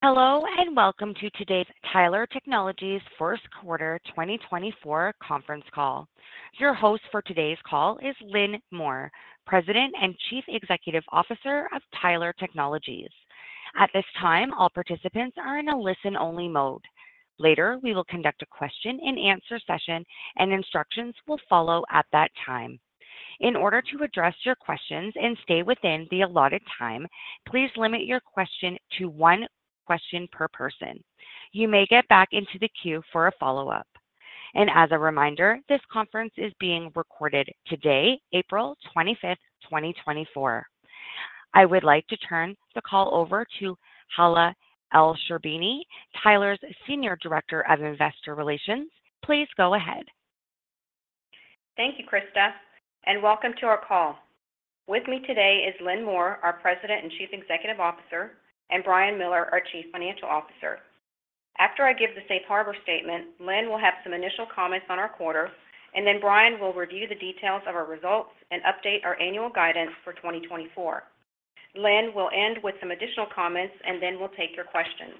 Hello, and welcome to today's Tyler Technologies first quarter 2024 conference call. Your host for today's call is Lynn Moore, President and Chief Executive Officer of Tyler Technologies. At this time, all participants are in a listen-only mode. Later, we will conduct a question and answer session, and instructions will follow at that time. In order to address your questions and stay within the allotted time, please limit your question to one question per person. You may get back into the queue for a follow-up. As a reminder, this conference is being recorded today, April 25th, 2024. I would like to turn the call over to Hala Elsherbini, Tyler's Senior Director of Investor Relations. Please go ahead. Thank you, Krista, and welcome to our call. With me today is Lynn Moore, our President and Chief Executive Officer, and Brian Miller, our Chief Financial Officer. After I give the Safe Harbor statement, Lynn will have some initial comments on our quarter, and then Brian will review the details of our results and update our annual guidance for 2024. Lynn will end with some additional comments, and then we'll take your questions.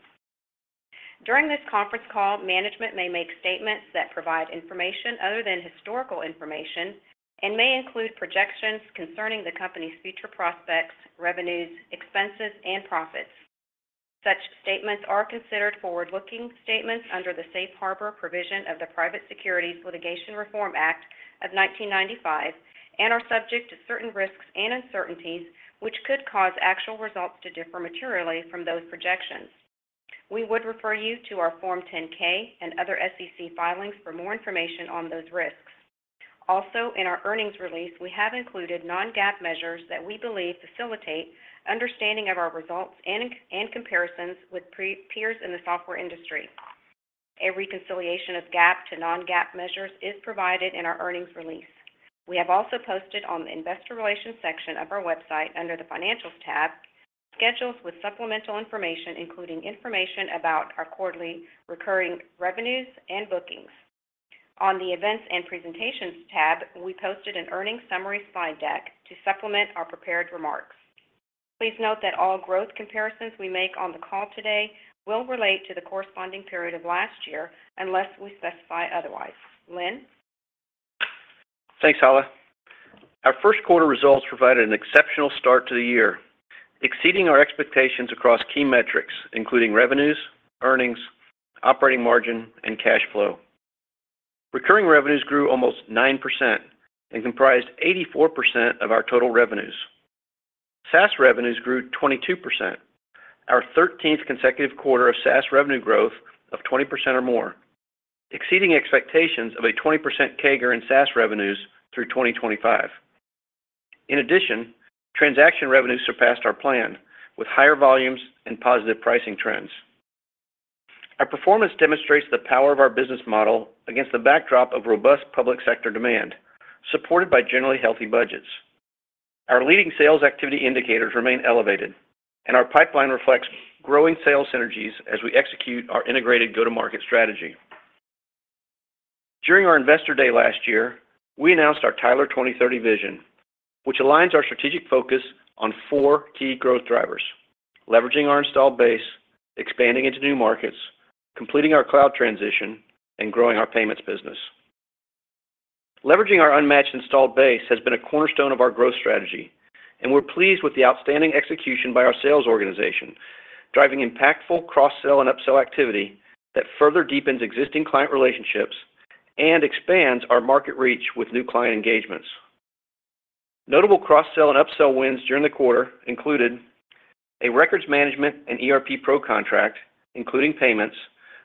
During this conference call, management may make statements that provide information other than historical information and may include projections concerning the company's future prospects, revenues, expenses, and profits. Such statements are considered forward-looking statements under the Safe Harbor provision of the Private Securities Litigation Reform Act of 1995 and are subject to certain risks and uncertainties, which could cause actual results to differ materially from those projections. We would refer you to our Form 10-K and other SEC filings for more information on those risks. Also, in our earnings release, we have included non-GAAP measures that we believe facilitate understanding of our results and comparisons with peers in the software industry. A reconciliation of GAAP to non-GAAP measures is provided in our earnings release. We have also posted on the investor relations section of our website under the Financials tab, schedules with supplemental information, including information about our quarterly recurring revenues and bookings. On the Events and Presentations tab, we posted an earnings summary slide deck to supplement our prepared remarks. Please note that all growth comparisons we make on the call today will relate to the corresponding period of last year, unless we specify otherwise. Lynn? Thanks, Hala. Our first quarter results provided an exceptional start to the year, exceeding our expectations across key metrics, including revenues, earnings, operating margin, and cash flow. Recurring revenues grew almost 9% and comprised 84% of our total revenues. SaaS revenues grew 22%, our 13th consecutive quarter of SaaS revenue growth of 20% or more, exceeding expectations of a 20% CAGR in SaaS revenues through 2025. In addition, transaction revenues surpassed our plan with higher volumes and positive pricing trends. Our performance demonstrates the power of our business model against the backdrop of robust public sector demand, supported by generally healthy budgets. Our leading sales activity indicators remain elevated, and our pipeline reflects growing sales synergies as we execute our integrated go-to-market strategy. During our Investor Day last year, we announced our Tyler 2030 vision, which aligns our strategic focus on four key growth drivers: leveraging our installed base, expanding into new markets, completing our cloud transition, and growing our payments business. Leveraging our unmatched installed base has been a cornerstone of our growth strategy, and we're pleased with the outstanding execution by our sales organization, driving impactful cross-sell and upsell activity that further deepens existing client relationships and expands our market reach with new client engagements. Notable cross-sell and upsell wins during the quarter included a records management and ERP Pro contract, including payments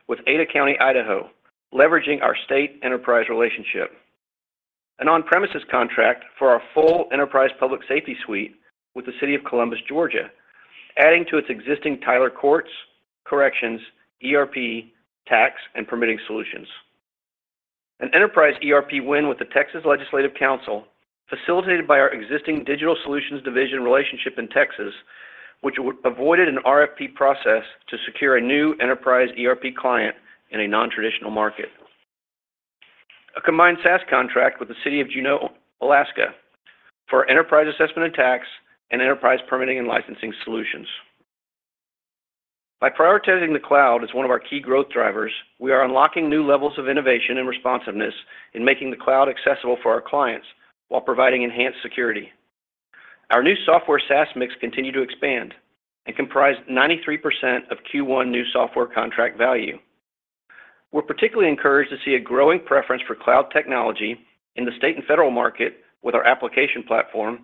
with Ada County, Idaho, leveraging our state enterprise relationship. An on-premises contract for our full enterprise public safety suite with the City of Columbus, Georgia, adding to its existing Tyler Courts, Corrections, ERP, Tax, and Permitting solutions. An Enterprise ERP win with the Texas Legislative Council, facilitated by our existing Digital Solutions Division relationship in Texas, which would avoid an RFP process to secure a new Enterprise ERP client in a non-traditional market. A combined SaaS contract with the City of Juneau, Alaska, for Enterprise Assessment and Tax and Enterprise Permitting and Licensing solutions. By prioritizing the cloud as one of our key growth drivers, we are unlocking new levels of innovation and responsiveness in making the cloud accessible for our clients while providing enhanced security. Our new software SaaS mix continued to expand and comprised 93% of Q1 new software contract value. We're particularly encouraged to see a growing preference for cloud technology in the state and federal market with our Application Platform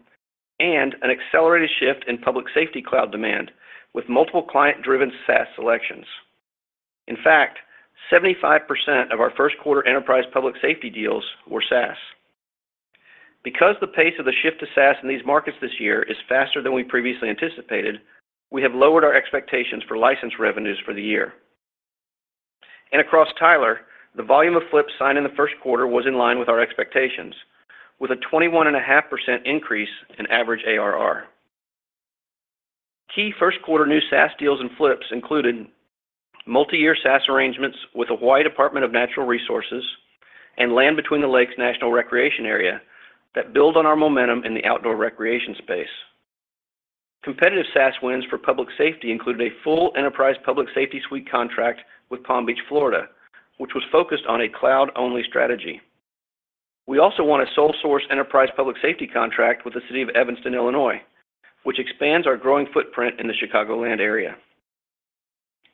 and an accelerated shift in public safety cloud demand with multiple client-driven SaaS selections. In fact, 75% of our first quarter enterprise public safety deals were SaaS. Because the pace of the shift to SaaS in these markets this year is faster than we previously anticipated, we have lowered our expectations for license revenues for the year. Across Tyler, the volume of flips signed in the first quarter was in line with our expectations, with a 21.5% increase in average ARR. Key first quarter new SaaS deals and flips included multi-year SaaS arrangements with the Hawaii Department of Natural Resources and Land Between the Lakes National Recreation Area that build on our momentum in the outdoor recreation space. Competitive SaaS wins for public safety included a full Enterprise Public Safety Suite contract with Palm Beach, Florida, which was focused on a cloud-only strategy. We also won a sole source enterprise public safety contract with the City of Evanston, Illinois, which expands our growing footprint in the Chicagoland area.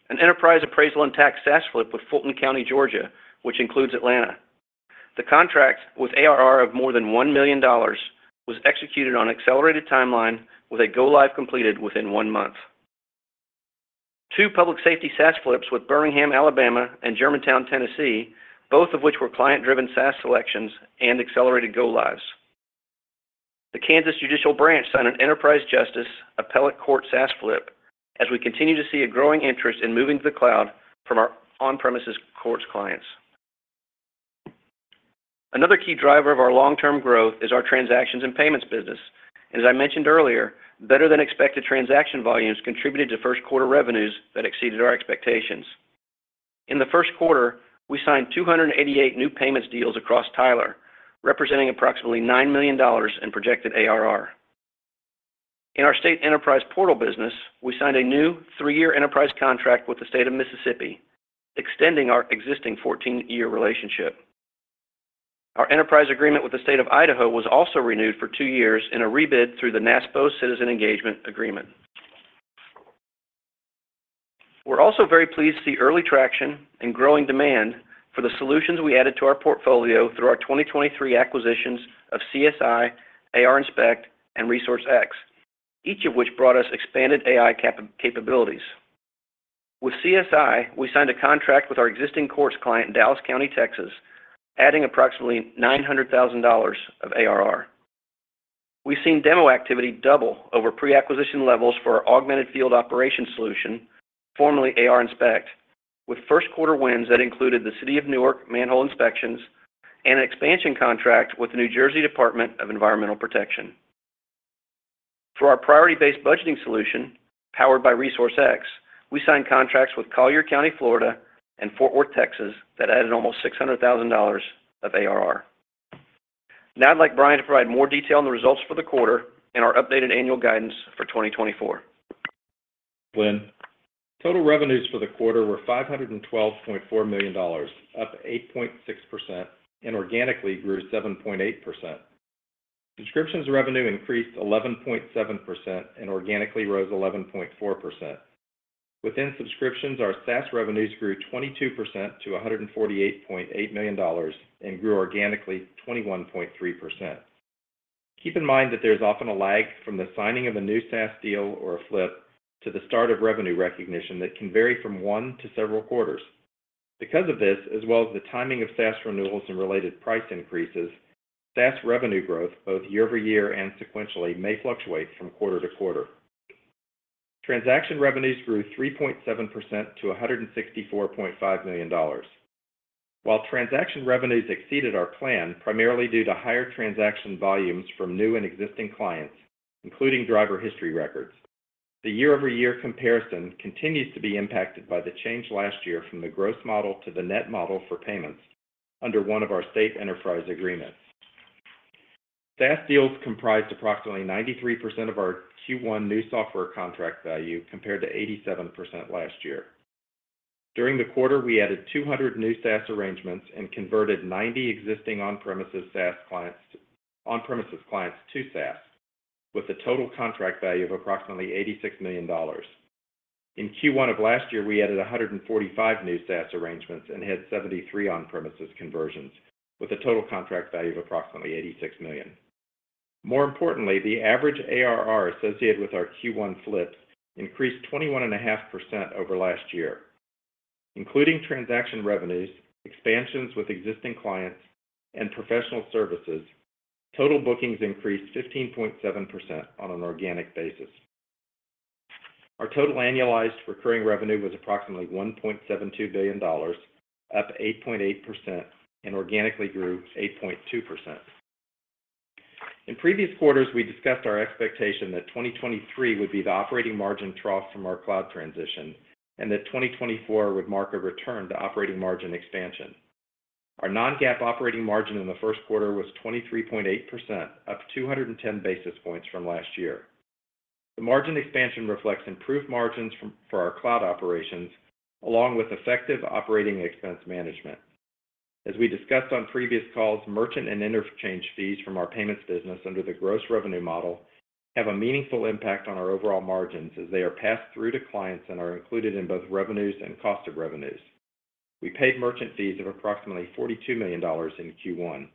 An enterprise appraisal and tax SaaS flip with Fulton County, Georgia, which includes Atlanta. The contract, with ARR of more than $1 million, was executed on an accelerated timeline with a go-live completed within one month. Two public safety SaaS flips with Birmingham, Alabama, and Germantown, Tennessee, both of which were client-driven SaaS selections and accelerated go-lives. The Kansas Judicial Branch signed an Enterprise Justice Appellate Court SaaS flip, as we continue to see a growing interest in moving to the cloud from our on-premises courts clients. Another key driver of our long-term growth is our transactions and payments business, and as I mentioned earlier, better-than-expected transaction volumes contributed to first quarter revenues that exceeded our expectations. In the first quarter, we signed 288 new payments deals across Tyler, representing approximately $9 million in projected ARR. In our state enterprise portal business, we signed a new three-year enterprise contract with the State of Mississippi, extending our existing 14-year relationship. Our enterprise agreement with the State of Idaho was also renewed for two years in a rebid through the NASPO Citizen Engagement agreement. We're also very pleased to see early traction and growing demand for the solutions we added to our portfolio through our 2023 acquisitions of CSI, ARInspect, and ResourceX, each of which brought us expanded AI capabilities. With CSI, we signed a contract with our existing courts client in Dallas County, Texas, adding approximately $900,000 of ARR. We've seen demo activity double over pre-acquisition levels for our Augmented Field Operations solution, formerly ARInspect, with first quarter wins that included the City of Newark manhole inspections and an expansion contract with the New Jersey Department of Environmental Protection. For our Priority Based Budgeting solution, powered by ResourceX, we signed contracts with Collier County, Florida, and Fort Worth, Texas, that added almost $600,000 of ARR. Now I'd like Brian to provide more detail on the results for the quarter and our updated annual guidance for 2024. Lynn, total revenues for the quarter were $512.4 million, up 8.6%, and organically grew 7.8%. Subscriptions revenue increased 11.7% and organically rose 11.4%. Within subscriptions, our SaaS revenues grew 22% to $148.8 million and grew organically 21.3%. Keep in mind that there's often a lag from the signing of a new SaaS deal or a flip to the start of revenue recognition that can vary from one to several quarters. Because of this, as well as the timing of SaaS renewals and related price increases, SaaS revenue growth, both year-over-year and sequentially, may fluctuate from quarter to quarter. Transaction revenues grew 3.7% to $164.5 million. While transaction revenues exceeded our plan, primarily due to higher transaction volumes from new and existing clients, including driver history records, the year-over-year comparison continues to be impacted by the change last year from the gross model to the net model for payments under one of our state enterprise agreements. SaaS deals comprised approximately 93% of our Q1 new software contract value, compared to 87% last year. During the quarter, we added 200 new SaaS arrangements and converted 90 existing on-premises clients to SaaS, with a total contract value of approximately $86 million. In Q1 of last year, we added 145 new SaaS arrangements and had 73 on-premises conversions, with a total contract value of approximately $86 million. More importantly, the average ARR associated with our Q1 flips increased 21.5% over last year. Including transaction revenues, expansions with existing clients, and professional services, total bookings increased 15.7% on an organic basis. Our total annualized recurring revenue was approximately $1.72 billion, up 8.8%, and organically grew 8.2%. In previous quarters, we discussed our expectation that 2023 would be the operating margin trough from our cloud transition and that 2024 would mark a return to operating margin expansion. Our non-GAAP operating margin in the first quarter was 23.8%, up 210 basis points from last year. The margin expansion reflects improved margins for our cloud operations, along with effective operating expense management. As we discussed on previous calls, merchant and interchange fees from our payments business under the gross revenue model have a meaningful impact on our overall margins, as they are passed through to clients and are included in both revenues and cost of revenues. We paid merchant fees of approximately $42 million in Q1.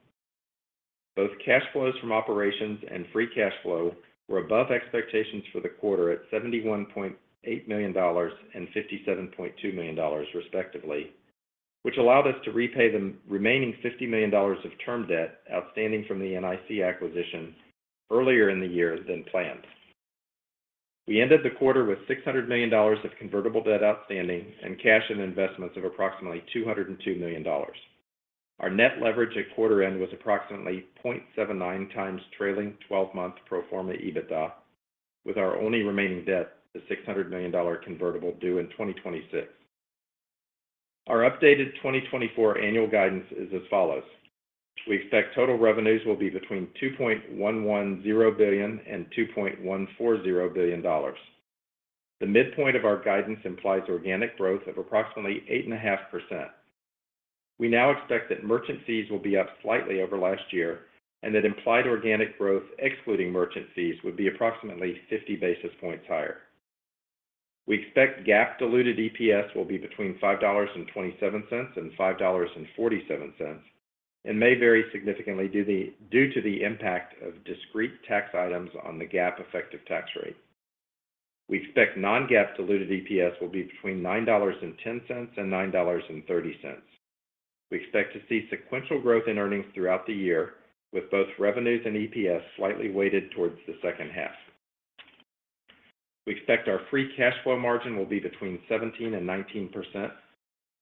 Both cash flows from operations and free cash flow were above expectations for the quarter at $71.8 million and $57.2 million, respectively, which allowed us to repay the remaining $50 million of term debt outstanding from the NIC acquisition earlier in the year than planned. We ended the quarter with $600 million of convertible debt outstanding and cash and investments of approximately $202 million. Our net leverage at quarter end was approximately 0.79x trailing 12-month pro forma EBITDA, with our only remaining debt, the $600 million convertible, due in 2026. Our updated 2024 annual guidance is as follows: We expect total revenues will be between $2.110 billion and $2.140 billion. The midpoint of our guidance implies organic growth of approximately 8.5%. We now expect that merchant fees will be up slightly over last year and that implied organic growth, excluding merchant fees, would be approximately 50 basis points higher. We expect GAAP diluted EPS will be between $5.27 and $5.47, and may vary significantly due to the impact of discrete tax items on the GAAP effective tax rate. We expect non-GAAP diluted EPS will be between $9.10 and $9.30. We expect to see sequential growth in earnings throughout the year, with both revenues and EPS slightly weighted towards the second half. We expect our free cash flow margin will be between 17% and 19%,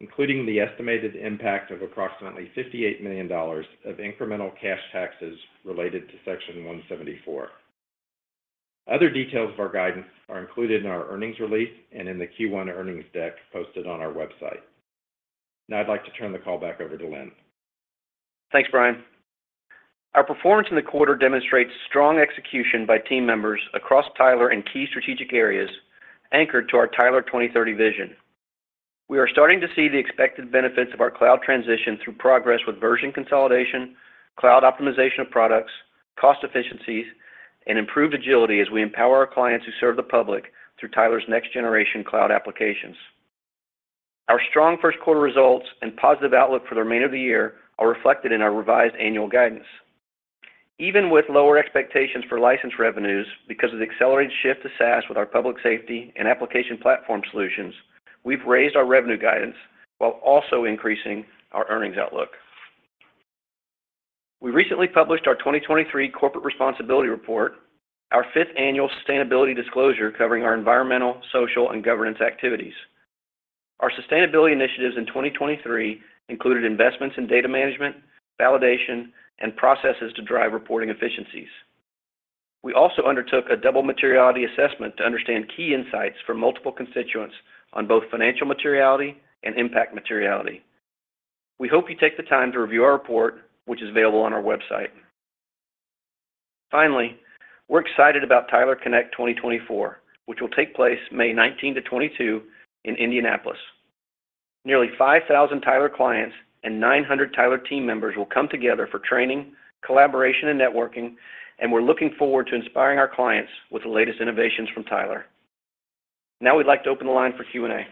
including the estimated impact of approximately $58 million of incremental cash taxes related to Section 174. Other details of our guidance are included in our earnings release and in the Q1 earnings deck posted on our website. Now I'd like to turn the call back over to Lynn. Thanks, Brian. Our performance in the quarter demonstrates strong execution by team members across Tyler in key strategic areas, anchored to our Tyler 2030 vision. We are starting to see the expected benefits of our cloud transition through progress with version consolidation, cloud optimization of products, cost efficiencies, and improved agility as we empower our clients who serve the public through Tyler's next generation cloud applications. Our strong first quarter results and positive outlook for the remainder of the year are reflected in our revised annual guidance. Even with lower expectations for license revenues, because of the accelerated shift to SaaS with our Public Safety and Application Platform solutions, we've raised our revenue guidance while also increasing our earnings outlook. We recently published our 2023 corporate responsibility report, our fifth annual sustainability disclosure, covering our environmental, social, and governance activities. Our sustainability initiatives in 2023 included investments in data management, validation, and processes to drive reporting efficiencies. We also undertook a double materiality assessment to understand key insights from multiple constituents on both financial materiality and impact materiality. We hope you take the time to review our report, which is available on our website. Finally, we're excited about Tyler Connect 2024, which will take place May 19-22 in Indianapolis. Nearly 5,000 Tyler clients and 900 Tyler team members will come together for training, collaboration, and networking, and we're looking forward to inspiring our clients with the latest innovations from Tyler. Now, we'd like to open the line for Q&A.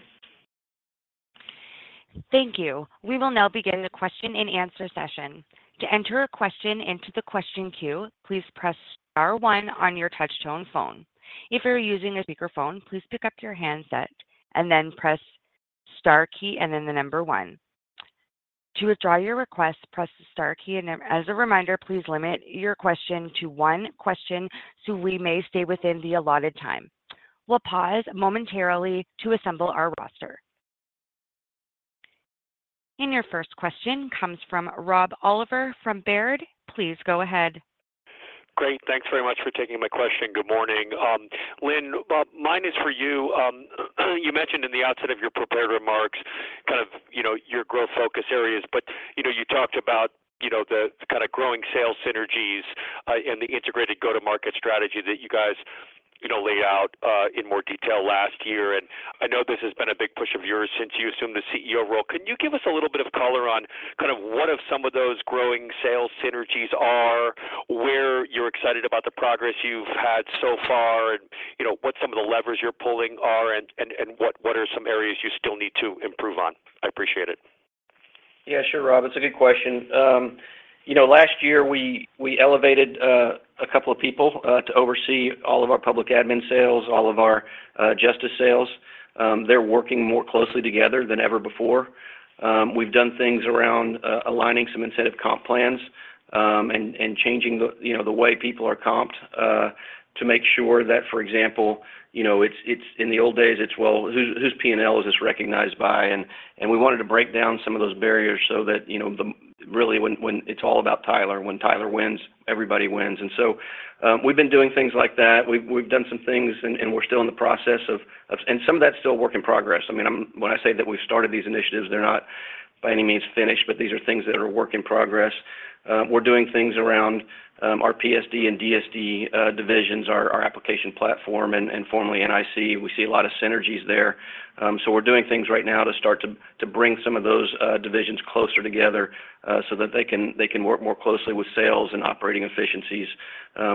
Thank you. We will now begin the question and answer session. To enter a question into the question queue, please press star one on your touchtone phone. If you're using a speakerphone, please pick up your handset and then press star key and then the number one. To withdraw your request, press the star key, and as a reminder, please limit your question to one question so we may stay within the allotted time. We'll pause momentarily to assemble our roster. Your first question comes from Rob Oliver from Baird. Please go ahead. Great. Thanks very much for taking my question. Good morning. Lynn, well, mine is for you. You mentioned in the outset of your prepared remarks, kind of, you know, your growth focus areas, but, you know, you talked about, you know, the kind of growing sales synergies, and the integrated go-to-market strategy that you guys, you know, laid out, in more detail last year. And I know this has been a big push of yours since you assumed the CEO role. Can you give us a little bit of color on kind of what are some of those growing sales synergies are, where you're excited about the progress you've had so far, and, you know, what some of the levers you're pulling are, and, and, and what, what are some areas you still need to improve on? I appreciate it. Yeah, sure, Rob. It's a good question. You know, last year we elevated a couple of people to oversee all of our public admin sales, all of our justice sales. They're working more closely together than ever before. We've done things around aligning some incentive comp plans, and changing the way people are comped to make sure that, for example, you know, it's, in the old days, it's, well, whose PNL is this recognized by? And we wanted to break down some of those barriers so that, you know, really, when it's all about Tyler, when Tyler wins, everybody wins. And so, we've been doing things like that. We've done some things, and we're still in the process of. Some of that's still a work in progress. I mean, when I say that we've started these initiatives, they're not by any means finished, but these are things that are a work in progress. We're doing things around our PSD and DSD divisions, our Application Platform, and formerly NIC. We see a lot of synergies there. So we're doing things right now to start to bring some of those divisions closer together, so that they can work more closely with sales and operating efficiencies.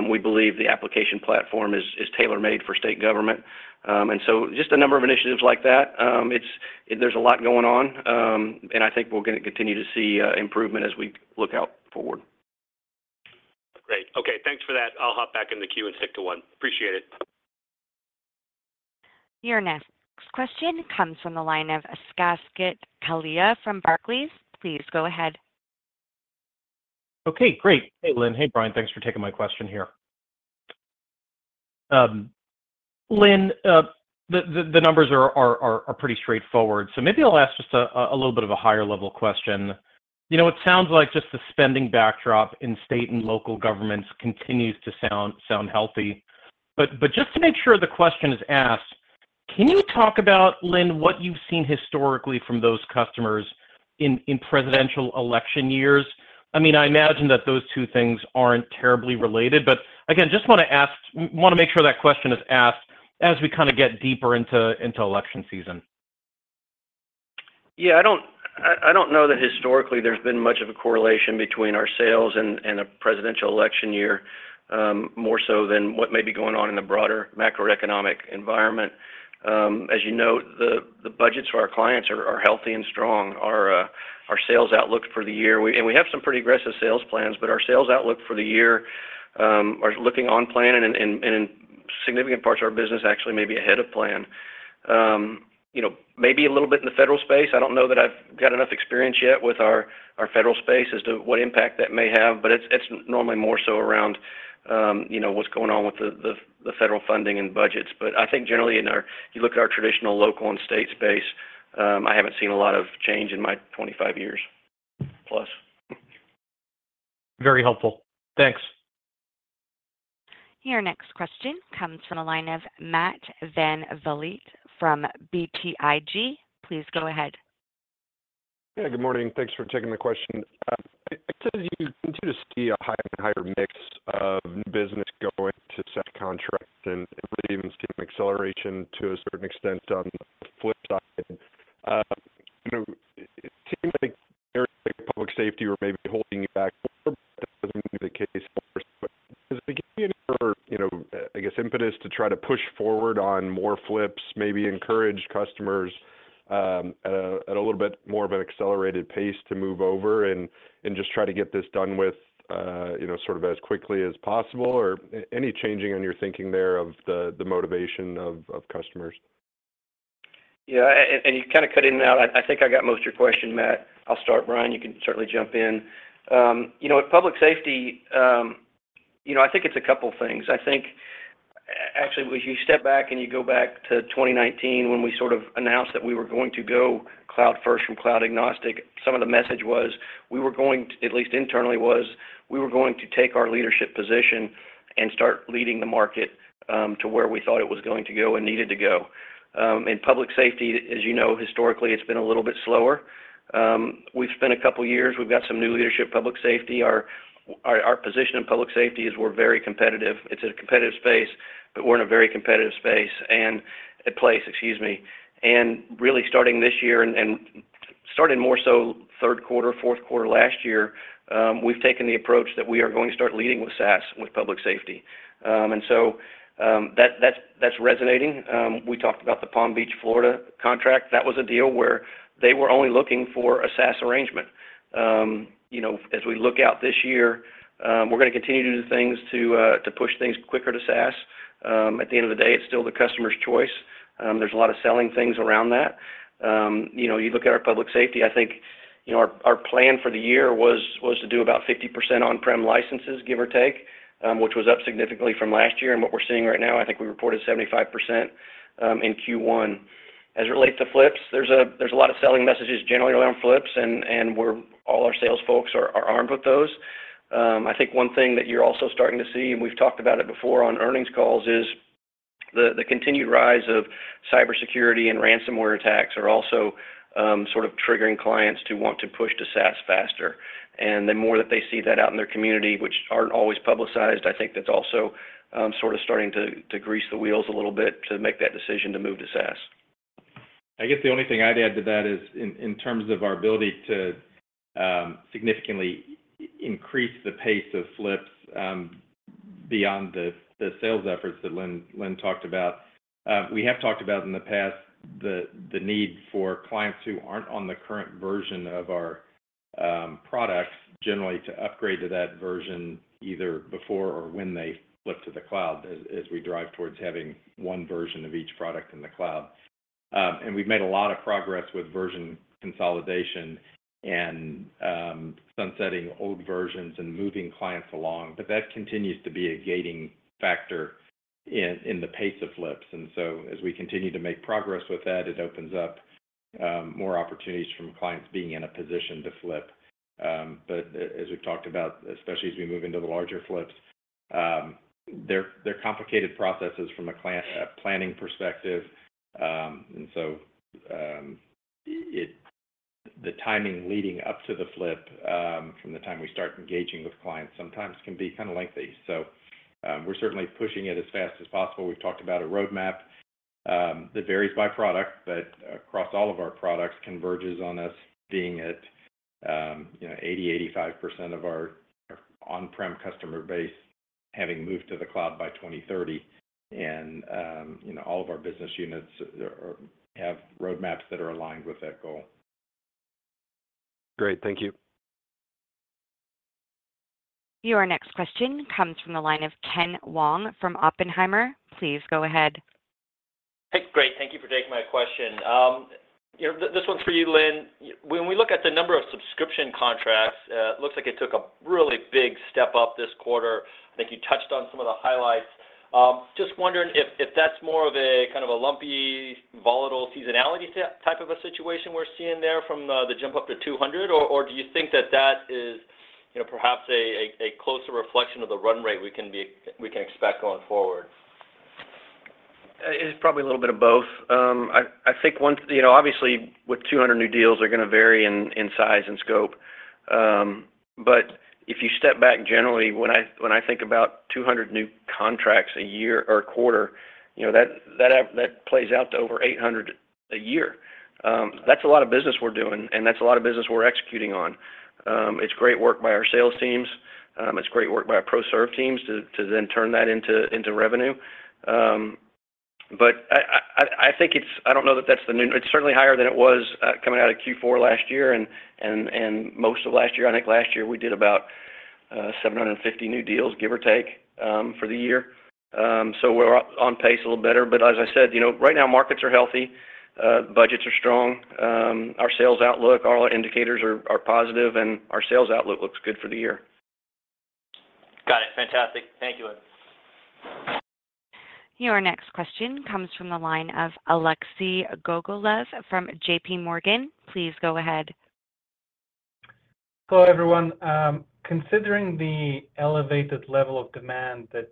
We believe the Application Platform is tailor-made for state government. And so just a number of initiatives like that. There's a lot going on, and I think we're gonna continue to see improvement as we look out forward. Great. Okay, thanks for that. I'll hop back in the queue and stick to one. Appreciate it. Your next question comes from the line of Saket Kalia from Barclays. Please go ahead. Okay, great. Hey, Lynn. Hey, Brian. Thanks for taking my question here. Lynn, the numbers are pretty straightforward, so maybe I'll ask just a little bit of a higher level question. You know, it sounds like just the spending backdrop in state and local governments continues to sound healthy. But just to make sure the question is asked, can you talk about, Lynn, what you've seen historically from those customers in presidential election years? I mean, I imagine that those two things aren't terribly related, but again, just wanna ask, wanna make sure that question is asked as we kinda get deeper into election season. Yeah, I don't know that historically there's been much of a correlation between our sales and a presidential election year, more so than what may be going on in the broader macroeconomic environment. As you note, the budgets for our clients are healthy and strong. Our sales outlook for the year. We have some pretty aggressive sales plans, but our sales outlook for the year are looking on plan, and in significant parts of our business, actually may be ahead of plan. You know, maybe a little bit in the federal space. I don't know that I've got enough experience yet with our federal space as to what impact that may have, but it's normally more so around, you know, what's going on with the federal funding and budgets. But I think generally in our, you look at our traditional local and state space, I haven't seen a lot of change in my 25+ years. Very helpful. Thanks. Your next question comes from the line of Matt VanVliet from BTIG. Please go ahead. Yeah, good morning. Thanks for taking the question. It says you continue to see a higher and higher mix of new business going to SaaS contract and really even see some acceleration to a certain extent. On the flip side, you know, it seems like public safety were maybe holding you back, but that wasn't the case. But does it give you any, you know, I guess, impetus to try to push forward on more flips, maybe encourage customers, at a little bit more of an accelerated pace to move over and just try to get this done with, you know, sort of as quickly as possible? Or any changing on your thinking there of the motivation of customers? Yeah, and you kinda cut in and out. I think I got most of your question, Matt. I'll start, Brian, you can certainly jump in. You know, at Public Safety, you know, I think it's a couple things. I think actually, if you step back and you go back to 2019, when we sort of announced that we were going to go cloud-first and cloud-agnostic, some of the message was we were going, at least internally, was we were going to take our leadership position and start leading the market, to where we thought it was going to go and needed to go. And public safety, as you know, historically, it's been a little bit slower. We've spent a couple of years. We've got some new leadership, public safety. Our, our, our position in public safety is we're very competitive. It's a competitive space, but we're in a very competitive space and place, excuse me. And really starting this year and starting more so third quarter, fourth quarter last year, we've taken the approach that we are going to start leading with SaaS, with public safety. And so, that, that's resonating. We talked about the Palm Beach, Florida, contract. That was a deal where they were only looking for a SaaS arrangement. You know, as we look out this year, we're gonna continue to do things to push things quicker to SaaS. At the end of the day, it's still the customer's choice. There's a lot of selling things around that. You know, you look at our public safety, I think, you know, our plan for the year was to do about 50% on-prem licenses, give or take, which was up significantly from last year. And what we're seeing right now, I think we reported 75% in Q1. As it relates to flips, there's a lot of selling messages generally around flips, and all our sales folks are armed with those. I think one thing that you're also starting to see, and we've talked about it before on earnings calls, is the continued rise of cybersecurity and ransomware attacks are also sort of triggering clients to want to push to SaaS faster. The more that they see that out in their community, which aren't always publicized, I think that's also sort of starting to grease the wheels a little bit to make that decision to move to SaaS. I guess the only thing I'd add to that is in terms of our ability to significantly increase the pace of flips beyond the sales efforts that Lynn talked about. We have talked about in the past the need for clients who aren't on the current version of our products, generally to upgrade to that version either before or when they flip to the cloud, as we drive towards having one version of each product in the cloud. And we've made a lot of progress with version consolidation and sunsetting old versions and moving clients along, but that continues to be a gating factor in the pace of flips. And so as we continue to make progress with that, it opens up more opportunities from clients being in a position to flip. But as we've talked about, especially as we move into the larger flips, they're complicated processes from a client planning perspective. And so, the timing leading up to the flip, from the time we start engaging with clients, sometimes can be kinda lengthy. So, we're certainly pushing it as fast as possible. We've talked about a roadmap that varies by product, but across all of our products, converges on us being at, you know, 80%-85% of our on-prem customer base, having moved to the cloud by 2030. And, you know, all of our business units have roadmaps that are aligned with that goal. Great. Thank you. Your next question comes from the line of Ken Wong from Oppenheimer. Please go ahead. Great. Thank you for taking my question. You know, this one's for you, Lynn. When we look at the number of subscription contracts, it looks like it took a really big step up this quarter. I think you touched on some of the highlights. Just wondering if, if that's more of a, kind of a lumpy, volatile seasonality type of a situation we're seeing there from the, the jump up to 200, or, or do you think that that is, you know, perhaps a, a, a closer reflection of the run rate we can expect going forward? It's probably a little bit of both. I think, one, you know, obviously, with 200 new deals, they're gonna vary in size and scope. But if you step back generally, when I think about 200 new contracts a year or a quarter, you know, that plays out to over 800 a year. That's a lot of business we're doing, and that's a lot of business we're executing on. It's great work by our sales teams. It's great work by our Pro Serv teams to then turn that into revenue. But I think it's, I don't know that that's the new. It's certainly higher than it was coming out of Q4 last year and most of last year. I think last year we did about 750 new deals, give or take, for the year. So we're on pace a little better. But as I said, you know, right now, markets are healthy, budgets are strong, our sales outlook, all our indicators are, are positive, and our sales outlook looks good for the year. Got it. Fantastic. Thank you, Lynn. Your next question comes from the line of Alexei Gogolev from JPMorgan. Please go ahead. Hello, everyone. Considering the elevated level of demand that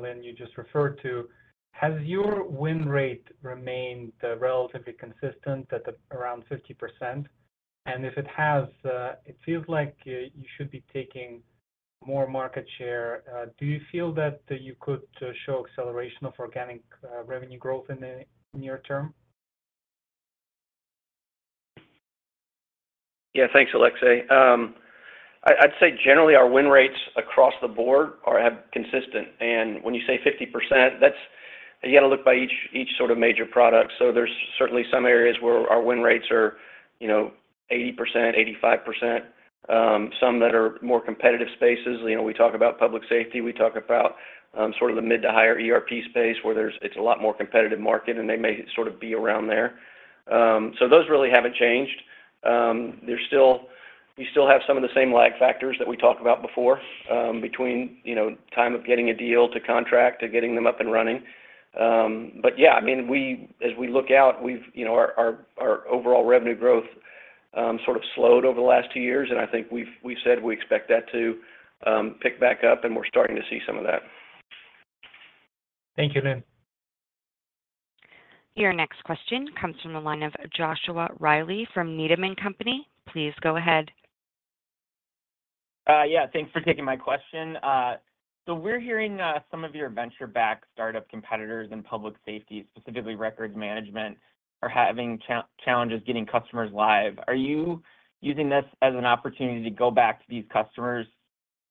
Lynn, you just referred to, has your win rate remained relatively consistent at around 50%? And if it has, it feels like you should be taking more market share. Do you feel that you could show acceleration of organic revenue growth in the near term? Yeah, thanks, Alexei. I'd say generally, our win rates across the board are consistent. And when you say 50%, that's you gotta look by each sort of major product. So there's certainly some areas where our win rates are, you know, 80%, 85%. Some that are more competitive spaces, you know, we talk about public safety, we talk about sort of the mid to higher ERP space, where it's a lot more competitive market, and they may sort of be around there. So those really haven't changed. We still have some of the same lag factors that we talked about before, between, you know, time of getting a deal to contract, to getting them up and running. But yeah, I mean, as we look out, we've, you know, our overall revenue growth sort of slowed over the last two years, and I think we said we expect that to pick back up, and we're starting to see some of that. Thank you, Lynn. Your next question comes from the line of Joshua Reilly from Needham & Company. Please go ahead. Yeah, thanks for taking my question. So we're hearing some of your venture-backed startup competitors in public safety, specifically records management, are having challenges getting customers live. Are you using this as an opportunity to go back to these customers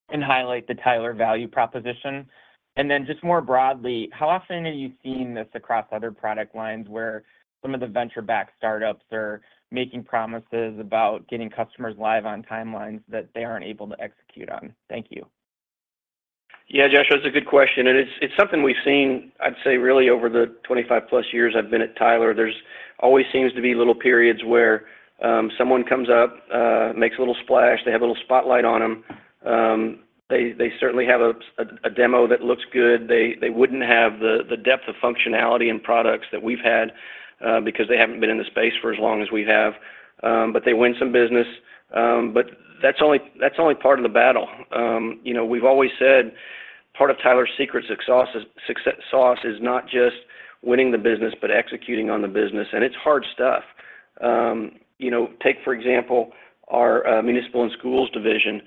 and highlight the Tyler value proposition? And then, just more broadly, how often are you seeing this across other product lines where some of the venture-backed startups are making promises about getting customers live on timelines that they aren't able to execute on? Thank you. Yeah, Joshua, it's a good question, and it's something we've seen, I'd say, really over the 25+ years I've been at Tyler. There's always seems to be little periods where someone comes up, makes a little splash, they have a little spotlight on them. They certainly have a demo that looks good. They wouldn't have the depth of functionality and products that we've had, because they haven't been in the space for as long as we have, but they win some business. But that's only part of the battle. You know, we've always said part of Tyler's secret success sauce is not just winning the business, but executing on the business, and it's hard stuff. You know, take, for example, our municipal and schools division,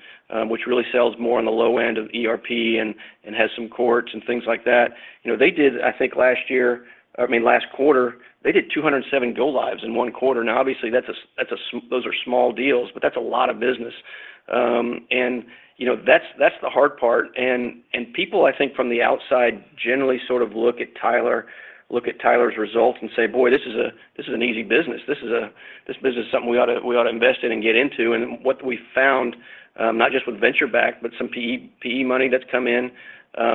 which really sells more on the low end of ERP and has some courts and things like that. You know, they did, I think last year, I mean, last quarter, they did 207 go-lives in one quarter. Now, obviously, that's a, that's those are small deals, but that's a lot of business. And, you know, that's the hard part. People, I think, from the outside, generally sort of look at Tyler, look at Tyler's results and say: Boy, this is an easy business. This business is something we ought to invest in and get into. And what we found, not just with venture-backed, but some PE, PE money that's come in,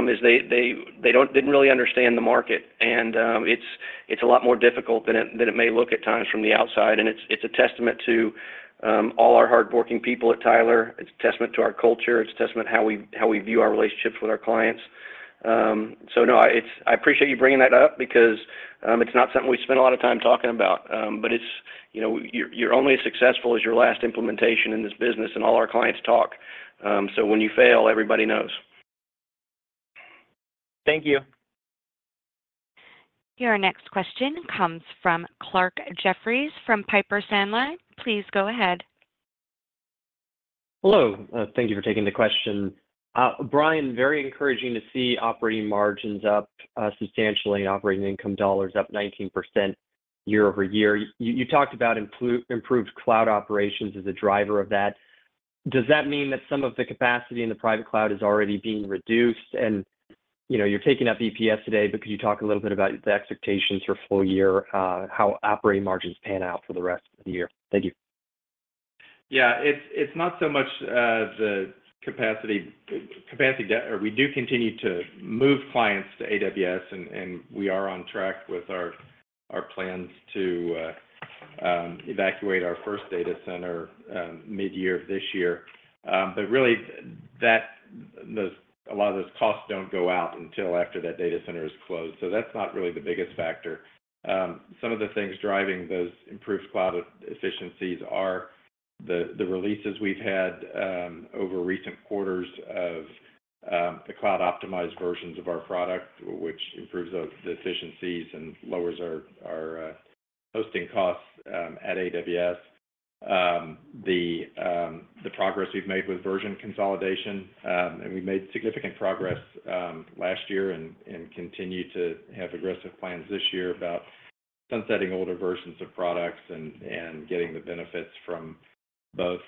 is they didn't really understand the market. And it's a lot more difficult than it may look at times from the outside, and it's a testament to all our hardworking people at Tyler. It's a testament to our culture. It's a testament to how we view our relationships with our clients. So no, I appreciate you bringing that up because it's not something we spend a lot of time talking about. But it's, you know, you're only as successful as your last implementation in this business, and all our clients talk. So when you fail, everybody knows. Thank you. Your next question comes from Clarke Jeffries from Piper Sandler. Please go ahead. Hello. Thank you for taking the question. Brian, very encouraging to see operating margins up substantially, and operating income dollars up 19% year-over-year. You talked about improved cloud operations as a driver of that. Does that mean that some of the capacity in the private cloud is already being reduced? And, you know, you're taking up EPS today, but could you talk a little bit about the expectations for full year, how operating margins pan out for the rest of the year? Thank you. Yeah, it's not so much the capacity. We do continue to move clients to AWS, and we are on track with our plans to evacuate our first data center midyear of this year. But really, a lot of those costs don't go out until after that data center is closed, so that's not really the biggest factor. Some of the things driving those improved cloud efficiencies are the releases we've had over recent quarters of the cloud-optimized versions of our product, which improves the efficiencies and lowers our hosting costs at AWS. The progress we've made with version consolidation, and we made significant progress last year and continue to have aggressive plans this year about sunsetting older versions of products and getting the benefits from both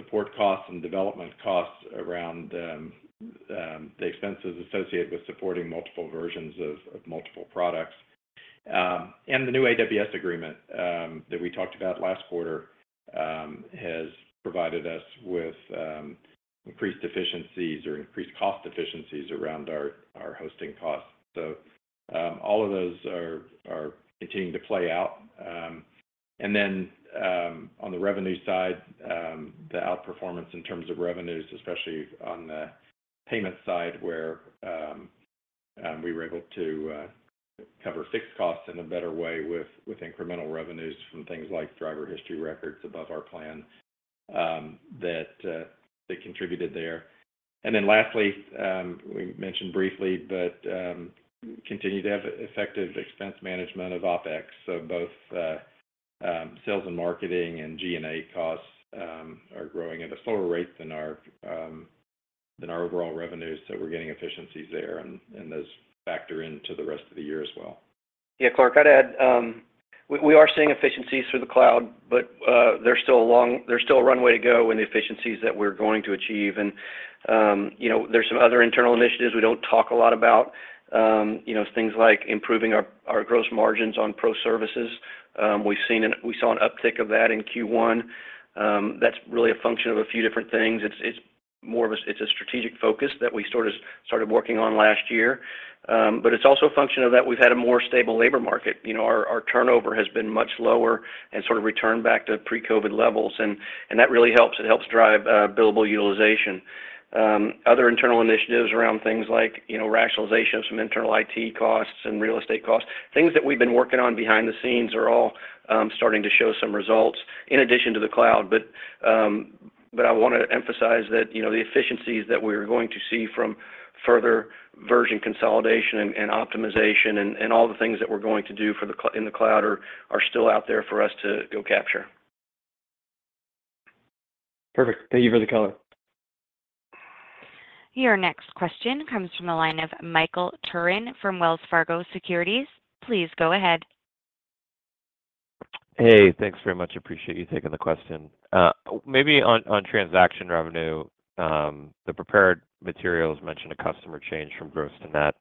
support costs and development costs around the expenses associated with supporting multiple versions of multiple products. And the new AWS agreement that we talked about last quarter has provided us with increased efficiencies or increased cost efficiencies around our hosting costs. So all of those are continuing to play out. And then, on the revenue side, the outperformance in terms of revenues, especially on the payment side, where we were able to cover fixed costs in a better way with incremental revenues from things like driver history records above our plan, that contributed there. And then lastly, we mentioned briefly, but continue to have effective expense management of OpEx. So both sales and marketing and G&A costs are growing at a slower rate than our overall revenues, so we're getting efficiencies there, and those factor into the rest of the year as well. Yeah, Clark, I'd add, we are seeing efficiencies through the cloud, but there's still a runway to go in the efficiencies that we're going to achieve. And, you know, there's some other internal initiatives we don't talk a lot about. You know, things like improving our gross margins on pro services. We've seen—we saw an uptick of that in Q1. That's really a function of a few different things. It's a strategic focus that we sort of started working on last year. But it's also a function of that we've had a more stable labor market. You know, our turnover has been much lower and sort of returned back to pre-COVID levels, and that really helps. It helps drive billable utilization. Other internal initiatives around things like, you know, rationalization of some internal IT costs and real estate costs, things that we've been working on behind the scenes are all starting to show some results in addition to the cloud. But I want to emphasize that, you know, the efficiencies that we're going to see from further version consolidation and optimization, and all the things that we're going to do in the cloud are still out there for us to go capture. Perfect. Thank you for the color. Your next question comes from the line of Michael Turrin from Wells Fargo Securities. Please go ahead. Hey, thanks very much. Appreciate you taking the question. Maybe on, on transaction revenue, the prepared materials mentioned a customer change from gross to net.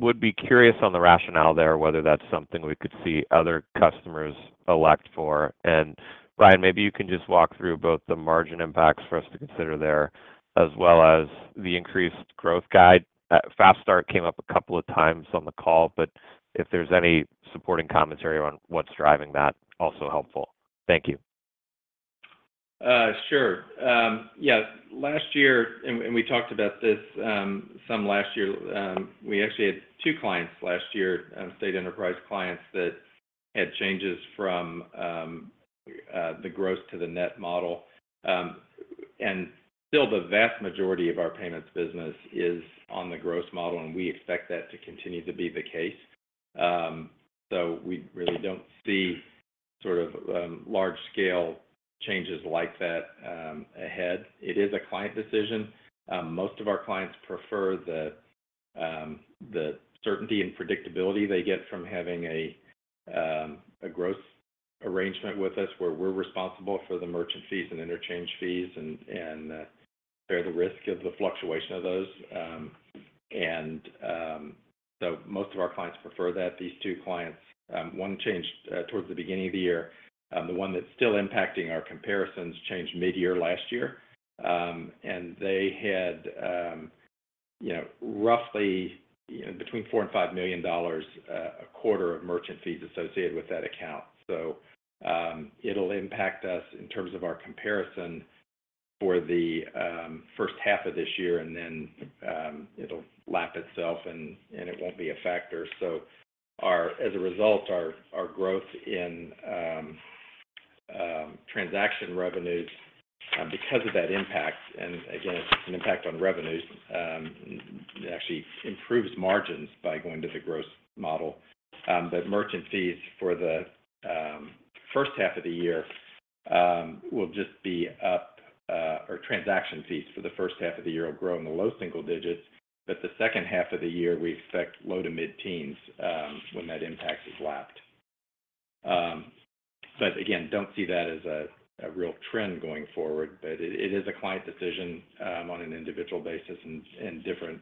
Would be curious on the rationale there, whether that's something we could see other customers elect for. And Brian, maybe you can just walk through both the margin impacts for us to consider there, as well as the increased growth guide. Fast start came up a couple of times on the call, but if there's any supporting commentary on what's driving that, also helpful. Thank you. Sure. Yeah, last year, and we talked about this some last year, we actually had two clients last year, state enterprise clients that had changes from the gross to the net model. And still the vast majority of our payments business is on the gross model, and we expect that to continue to be the case. So we really don't see sort of large-scale changes like that ahead. It is a client decision. Most of our clients prefer the certainty and predictability they get from having a gross arrangement with us, where we're responsible for the merchant fees and interchange fees and bear the risk of the fluctuation of those. And so most of our clients prefer that. These two clients, one changed towards the beginning of the year. The one that's still impacting our comparisons changed midyear last year. And they had, you know, roughly, between $4 million-$5 million a quarter of merchant fees associated with that account. So, it'll impact us in terms of our comparison for the first half of this year, and then, it'll lap itself, and it won't be a factor. So our—as a result, our growth in transaction revenues because of that impact, and again, it's an impact on revenues, it actually improves margins by going to the gross model. But merchant fees for the first half of the year will just be up, or transaction fees for the first half of the year will grow in the low single digits. But the second half of the year, we expect low to mid-teens, when that impact is lapped. But again, don't see that as a real trend going forward, but it is a client decision on an individual basis and different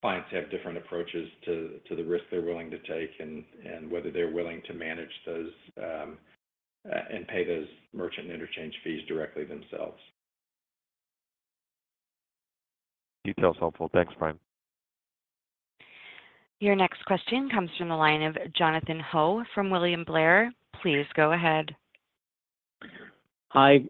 clients have different approaches to the risk they're willing to take and whether they're willing to manage those and pay those merchant and interchange fees directly themselves. That's helpful. Thanks, Brian. Your next question comes from the line of Jonathan Ho from William Blair. Please go ahead. I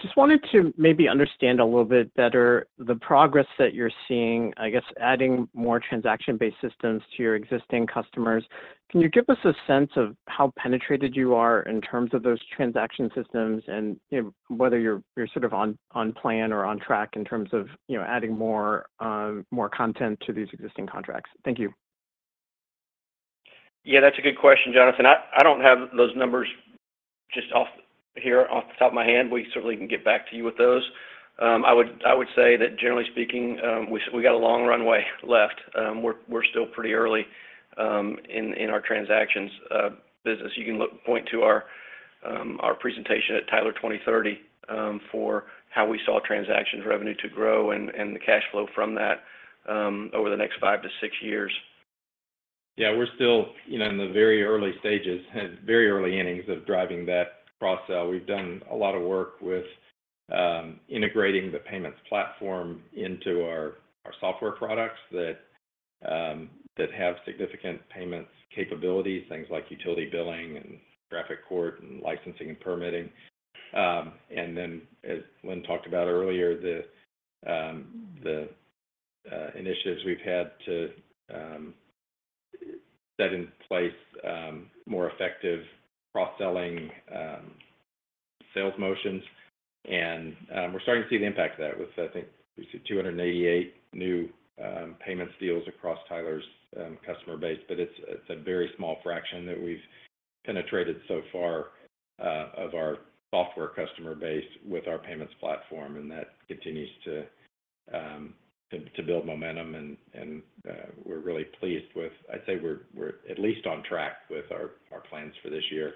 just wanted to maybe understand a little bit better the progress that you're seeing, I guess, adding more transaction-based systems to your existing customers. Can you give us a sense of how penetrated you are in terms of those transaction systems and, you know, whether you're sort of on plan or on track in terms of, you know, adding more content to these existing contracts? Thank you. Yeah, that's a good question, Jonathan. I don't have those numbers just off the top of my head. We certainly can get back to you with those. I would say that generally speaking, we got a long runway left. We're still pretty early in our transactions business. You can point to our presentation at Tyler 2030 for how we saw transactions revenue to grow and the cash flow from that over the next five to six years. Yeah, we're still, you know, in the very early stages and very early innings of driving that cross-sell. We've done a lot of work with integrating the payments platform into our software products that have significant payments capabilities, things like utility billing and traffic court and licensing and permitting. And then as Lynn talked about earlier, the initiatives we've had to set in place more effective cross-selling sales motions. And we're starting to see the impact of that with, I think, we see 288 new payments deals across Tyler's customer base. But it's a very small fraction that we've penetrated so far of our software customer base with our payments platform, and that continues to build momentum, and we're really pleased with, I'd say we're at least on track with our plans for this year.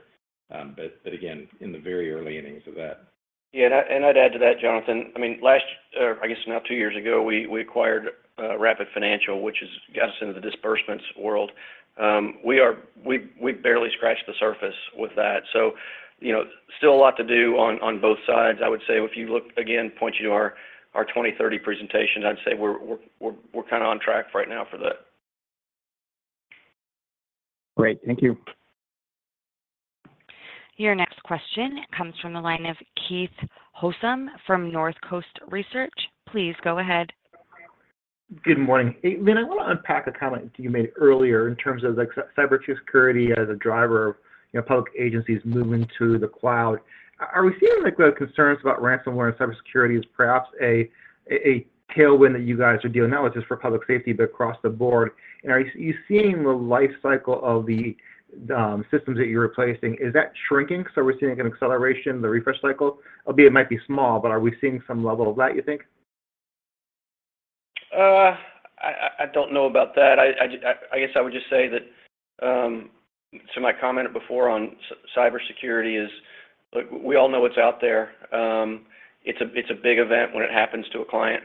But again, in the very early innings of that. Yeah, and I'd, and I'd add to that, Jonathan. I mean, last, I guess now two years ago, we, we acquired, Rapid Financial, which has got us into the disbursements world. We've, we've barely scratched the surface with that. So, you know, still a lot to do on, on both sides. I would say if you look, again, point you to our, our twenty thirty presentation, I'd say we're, we're, we're, we're kind of on track right now for that. Great. Thank you. Your next question comes from the line of Keith Housum from Northcoast Research. Please go ahead. Good morning. Hey, Lynn, I want to unpack a comment you made earlier in terms of the cybersecurity as a driver of, you know, public agencies moving to the cloud. Are we seeing, like, the concerns about ransomware and cybersecurity as perhaps a tailwind that you guys are dealing not with just for public safety, but across the board? And are you seeing the life cycle of the systems that you're replacing, is that shrinking? So are we seeing an acceleration in the refresh cycle? Albeit it might be small, but are we seeing some level of that, you think? I don't know about that. I guess I would just say that, so my comment before on cybersecurity is, look, we all know what's out there. It's a big event when it happens to a client.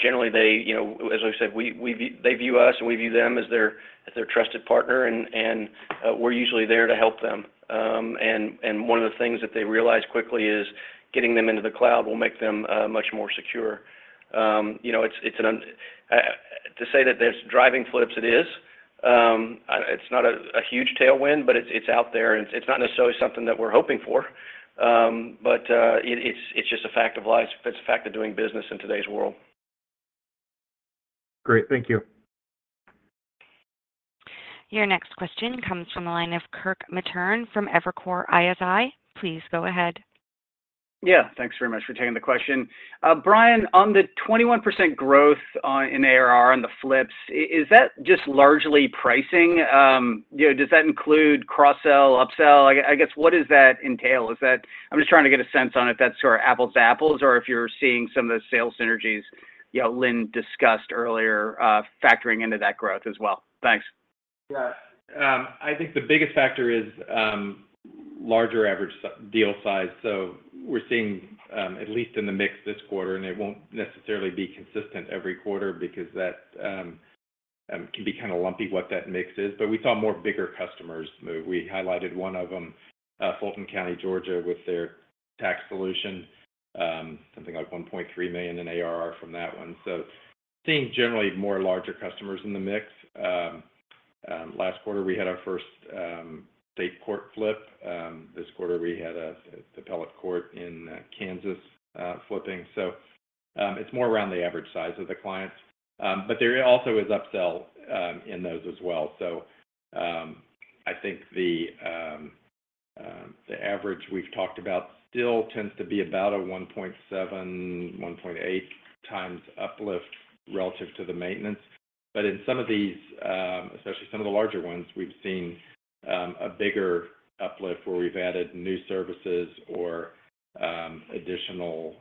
Generally, you know, as I said, they view us, and we view them as their trusted partner, and we're usually there to help them. And one of the things that they realize quickly is getting them into the cloud will make them much more secure. You know, it's an, to say that there's driving flips, it is. It's not a huge tailwind, but it's out there, and it's not necessarily something that we're hoping for. But it's just a fact of life. It's a fact of doing business in today's world. Great. Thank you. Your next question comes from the line of Kirk Materne from Evercore ISI. Please go ahead. Yeah. Thanks very much for taking the question. Brian, on the 21% growth in ARR on the flips, is that just largely pricing? You know, does that include cross-sell, up-sell? I guess what does that entail? I'm just trying to get a sense on if that's sort of apples to apples or if you're seeing some of the sales synergies, you know, Lynn discussed earlier, factoring into that growth as well. Thanks. Yeah. I think the biggest factor is larger average deal size. So we're seeing at least in the mix this quarter, and it won't necessarily be consistent every quarter because that can be kind of lumpy what that mix is, but we saw more bigger customers move. We highlighted one of them, Fulton County, Georgia, with their tax solution, something like $1.3 million in ARR from that one. So seeing generally more larger customers in the mix. Last quarter, we had our first state court flip. This quarter, we had an appellate court in Kansas flipping. So it's more around the average size of the clients. But there also is up-sell in those as well. So, I think the average we've talked about still tends to be about a 1.7x-1.8x uplift relative to the maintenance. But in some of these, especially some of the larger ones, we've seen a bigger uplift where we've added new services or additional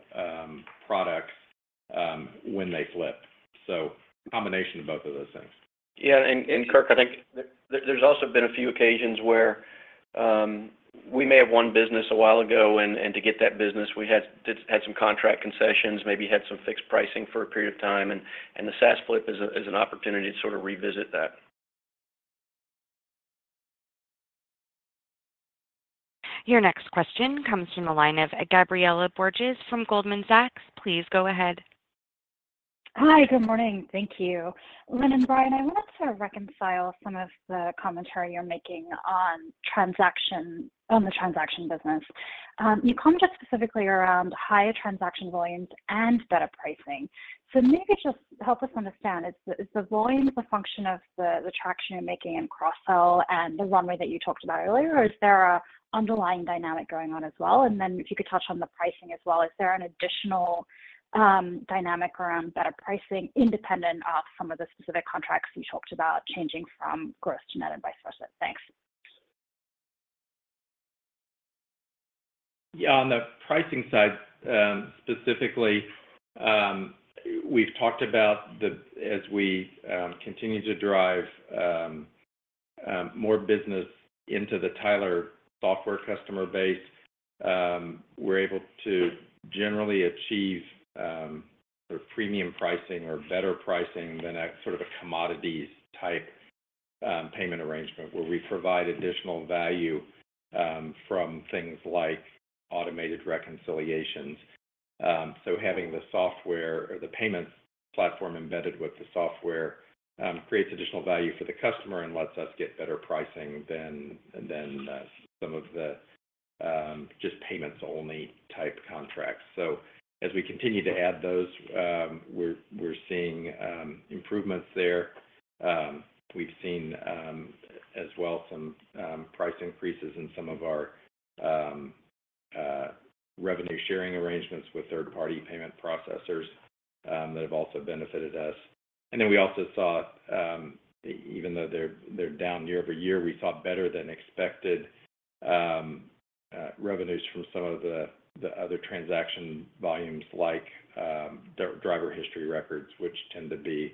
products when they flip. So combination of both of those things. Yeah, and, and Kirk, I think there, there's also been a few occasions where we may have won business a while ago, and to get that business, we had to have some contract concessions, maybe have some fixed pricing for a period of time, and the SaaS flip is an opportunity to sort of revisit that. Your next question comes from the line of Gabriela Borges from Goldman Sachs. Please go ahead. Hi, good morning. Thank you. Lynn and Brian, I want to reconcile some of the commentary you're making on the transaction business. You commented specifically around higher transaction volumes and better pricing. So maybe just help us understand, is the volume the function of the traction you're making in cross-sell and the runway that you talked about earlier, or is there an underlying dynamic going on as well? And then if you could touch on the pricing as well, is there an additional dynamic around better pricing independent of some of the specific contracts you talked about changing from gross to net and vice versa? Thanks. Yeah, on the pricing side, specifically, we've talked about the, as we continue to drive more business into the Tyler software customer base, we're able to generally achieve sort of premium pricing or better pricing than a sort of a commodities type payment arrangement, where we provide additional value from things like automated reconciliations. So having the software or the payments platform embedded with the software creates additional value for the customer and lets us get better pricing than some of the just payments-only type contracts. So as we continue to add those, we're seeing improvements there. We've seen, as well, some price increases in some of our revenue sharing arrangements with third-party payment processors that have also benefited us. And then we also saw, even though they're down year-over-year, we saw better than expected revenues from some of the other transaction volumes, like driver history records, which tend to be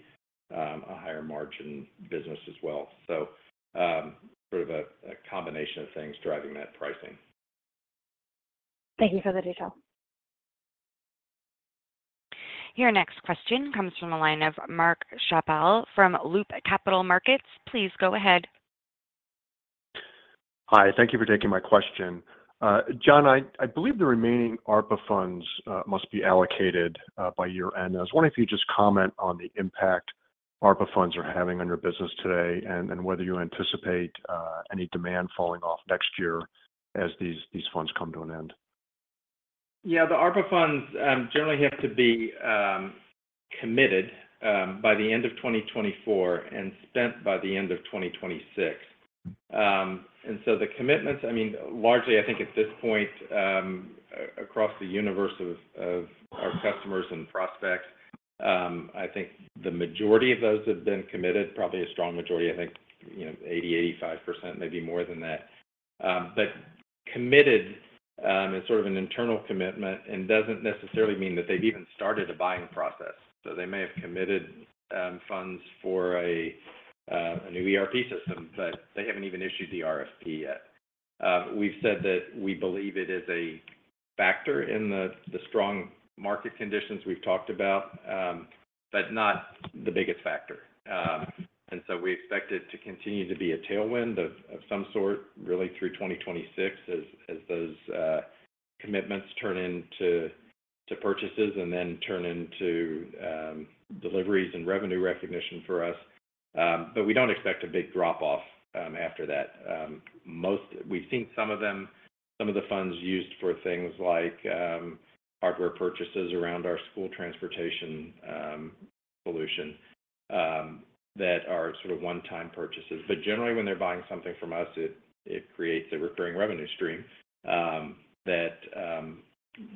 a higher margin business as well. So, sort of a combination of things driving that pricing. Thank you for the detail. Your next question comes from the line of Mark Chappell from Loop Capital Markets. Please go ahead. Hi, thank you for taking my question. John, I believe the remaining ARPA funds must be allocated by year-end. I was wondering if you just comment on the impact ARPA funds are having on your business today, and whether you anticipate any demand falling off next year as these funds come to an end. Yeah, the ARPA funds generally have to be committed by the end of 2024 and spent by the end of 2026. And so the commitments, I mean, largely, I think at this point, across the universe of our customers and prospects, I think the majority of those have been committed, probably a strong majority, I think, you know, 80%-85%, maybe more than that. But committed is sort of an internal commitment and doesn't necessarily mean that they've even started a buying process. So they may have committed funds for a new ERP system, but they haven't even issued the RFP yet. We've said that we believe it is a factor in the strong market conditions we've talked about, but not the biggest factor. And so we expect it to continue to be a tailwind of, of some sort, really through 2026 as, as those, commitments turn into, to purchases and then turn into, deliveries and revenue recognition for us. But we don't expect a big drop-off, after that. Most, we've seen some of them, some of the funds used for things like, hardware purchases around our school transportation solution, that are sort of one-time purchases. But generally, when they're buying something from us, it, it creates a recurring revenue stream, that,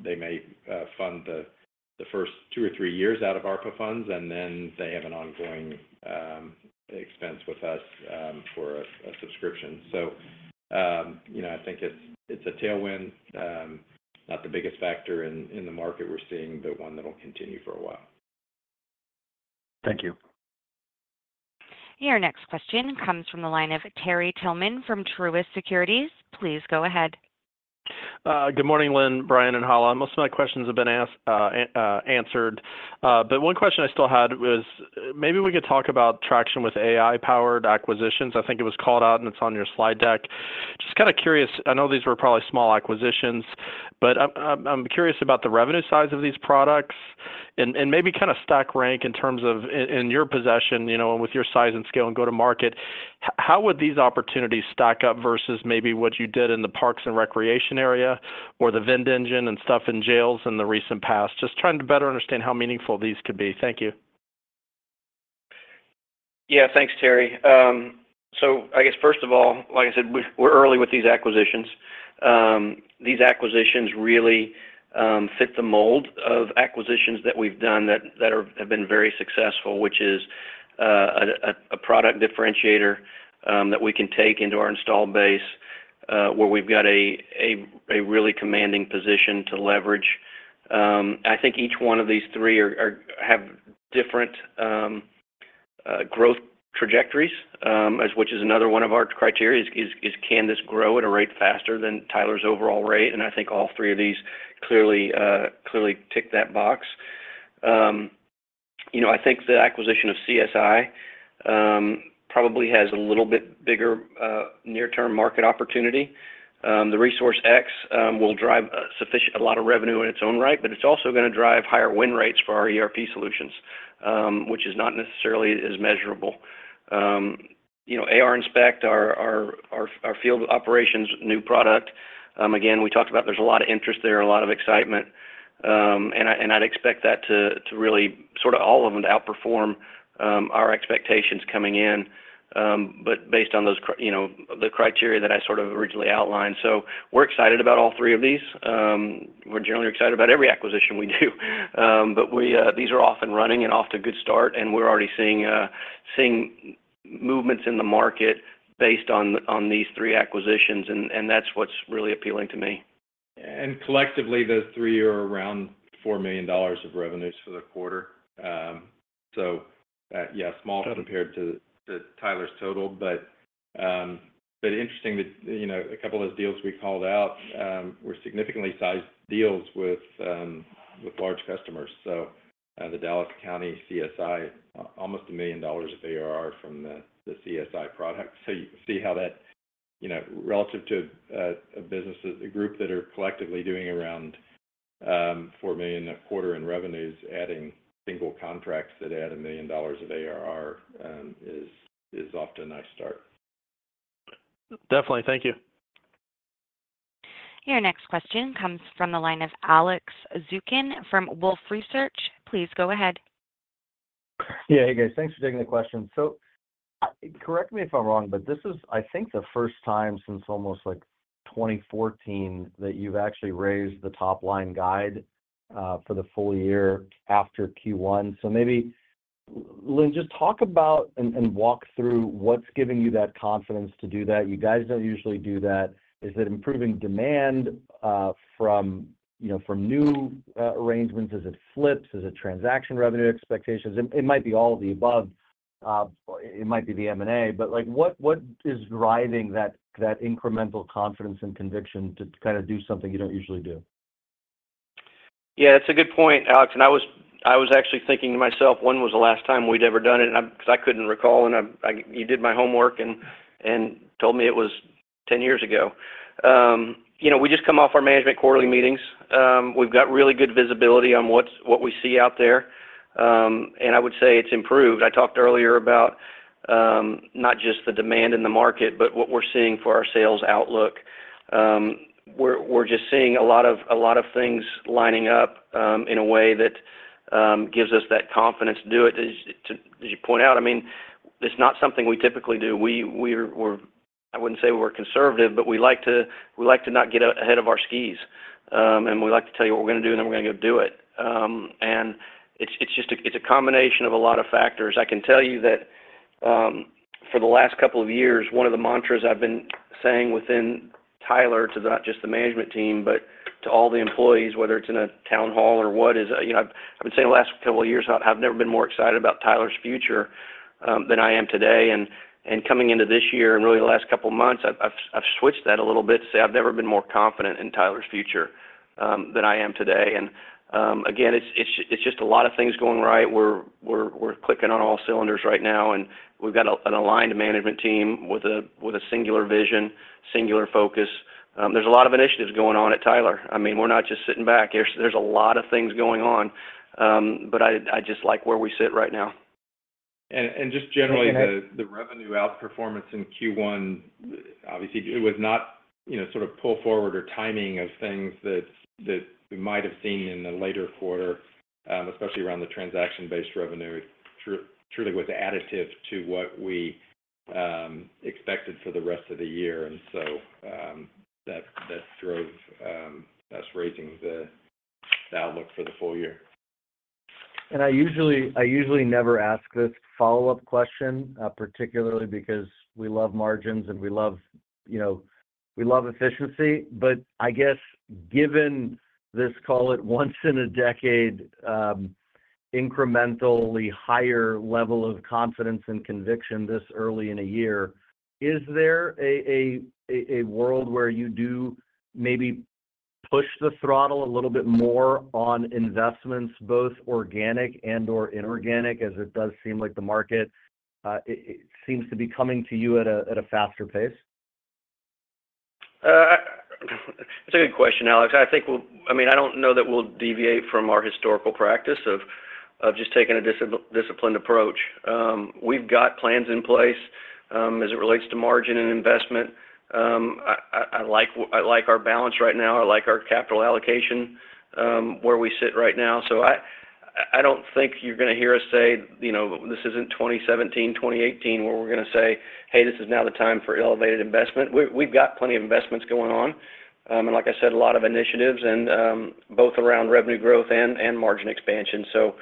they may, fund the, the first two or three years out of ARPA funds, and then they have an ongoing, expense with us, for a, a subscription. You know, I think it's a tailwind, not the biggest factor in the market we're seeing, but one that'll continue for a while. Thank you. Your next question comes from the line of Terry Tillman from Truist Securities. Please go ahead. Good morning, Lynn, Brian, and Hala. Most of my questions have been asked, answered, but one question I still had was, maybe we could talk about traction with AI-powered acquisitions. I think it was called out, and it's on your slide deck. Just kind of curious, I know these were probably small acquisitions, but I'm curious about the revenue size of these products and maybe kind of stack rank in terms of in your possession, you know, with your size and scale and go-to-market, how would these opportunities stack up versus maybe what you did in the parks and recreation area or the VendEngine and stuff in jails in the recent past? Just trying to better understand how meaningful these could be. Thank you. Yeah, thanks, Terry. I guess first of all, like I said, we're early with these acquisitions. These acquisitions really fit the mold of acquisitions that we've done that have been very successful, which is a product differentiator that we can take into our installed base, where we've got a really commanding position to leverage. I think each one of these three have different growth trajectories, as which is another one of our criteria, is can this grow at a rate faster than Tyler's overall rate? And I think all three of these clearly clearly tick that box. You know, I think the acquisition of CSI probably has a little bit bigger near-term market opportunity. The ResourceX will drive a lot of revenue in its own right, but it's also gonna drive higher win rates for our ERP solutions, which is not necessarily as measurable. You know, ARInspect, our field operations new product, again, we talked about there's a lot of interest there, a lot of excitement. And I'd expect that to really sort of all of them to outperform our expectations coming in. But based on those criteria, you know, the criteria that I sort of originally outlined. So we're excited about all three of these. We're generally excited about every acquisition we do, but these are off and running and off to a good start, and we're already seeing movements in the market based on these three acquisitions, and that's what's really appealing to me. Collectively, those three are around $4 million of revenues for the quarter. So, yeah, small compared to Tyler's total, but interesting that, you know, a couple of the deals we called out were significantly sized deals with large customers. So, the Dallas County CSI, almost $1 million of ARR from the CSI product. So you see how that, you know, relative to a businesses, a group that are collectively doing around $4 million a quarter in revenues, adding single contracts that add $1 million of ARR, is off to a nice start. Definitely. Thank you. Your next question comes from the line of Alex Zukin from Wolfe Research. Please go ahead. Yeah, hey, guys, thanks for taking the question. So, correct me if I'm wrong, but this is, I think, the first time since almost, like, 2014, that you've actually raised the top-line guide for the full year after Q1. So maybe, Lynn, just talk about and walk through what's giving you that confidence to do that. You guys don't usually do that. Is it improving demand from, you know, from new arrangements? Is it flips? Is it transaction revenue expectations? It might be all of the above. It might be the M&A, but, like, what is driving that incremental confidence and conviction to kind of do something you don't usually do? Yeah, that's a good point, Alex, and I was actually thinking to myself, when was the last time we'd ever done it? And I'm 'cause I couldn't recall, and I did my homework and it told me it was 10 years ago. You know, we just came off our management quarterly meetings. We've got really good visibility on what we see out there. And I would say it's improved. I talked earlier about not just the demand in the market, but what we're seeing for our sales outlook. We're just seeing a lot of things lining up in a way that gives us that confidence to do it. As you point out, I mean, it's not something we typically do. We're, I wouldn't say we're conservative, but we like to, we like to not get ahead of our skis. We like to tell you what we're gonna do, and then we're gonna go do it. It's just a combination of a lot of factors. I can tell you that for the last couple of years, one of the mantras I've been saying within Tyler, to not just the management team, but to all the employees, whether it's in a town hall or what, is you know, I've never been more excited about Tyler's future than I am today. Coming into this year, and really the last couple of months, I've switched that a little bit, to say I've never been more confident in Tyler's future than I am today. Again, it's just a lot of things going right. We're clicking on all cylinders right now, and we've got an aligned management team with a singular vision, singular focus. There's a lot of initiatives going on at Tyler. I mean, we're not just sitting back. There's a lot of things going on, but I just like where we sit right now. And just generally. Thanks, Lynn. The revenue outperformance in Q1, obviously, it was not, you know, sort of pull forward or timing of things that we might have seen in a later quarter, especially around the transaction-based revenue. Truly was additive to what we expected for the rest of the year. And so, that drove us raising the outlook for the full year. I usually never ask this follow-up question, particularly because we love margins and we love, you know, we love efficiency. But I guess given this, call it, once in a decade, incrementally higher level of confidence and conviction this early in a year, is there a world where you do maybe push the throttle a little bit more on investments, both organic and/or inorganic, as it does seem like the market seems to be coming to you at a faster pace? That's a good question, Alex. I think we'll, I mean, I don't know that we'll deviate from our historical practice of just taking a disciplined approach. We've got plans in place, as it relates to margin and investment. I like our balance right now. I like our capital allocation, where we sit right now. So I don't think you're gonna hear us say, you know, this isn't 2017, 2018, where we're gonna say, "Hey, this is now the time for elevated investment." We've got plenty of investments going on. And like I said, a lot of initiatives and both around revenue growth and margin expansion. So,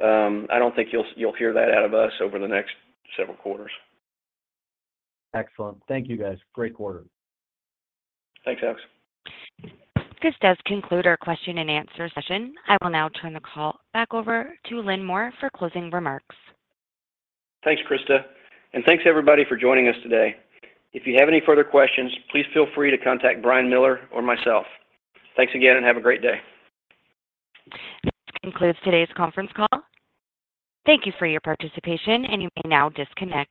I don't think you'll hear that out of us over the next several quarters. Excellent. Thank you, guys. Great quarter. Thanks, Alex. This does conclude our question and answer session. I will now turn the call back over to Lynn Moore for closing remarks. Thanks, Krista, and thanks everybody for joining us today. If you have any further questions, please feel free to contact Brian Miller or myself. Thanks again, and have a great day. This concludes today's conference call. Thank you for your participation, and you may now disconnect.